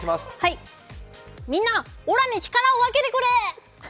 みんな、おらに力を分けてくれ！